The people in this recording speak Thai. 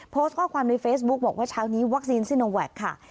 โพสต์ข้อความในเฟซบุ๊คบอกว่าเช้านี้วัคซีนซิโนแวคค่ะ